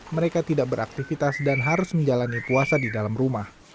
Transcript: mereka tidak beraktivitas dan harus menjalani puasa di dalam rumah